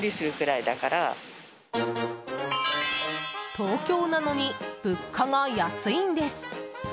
東京なのに物価が安いんです。